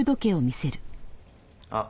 あっ。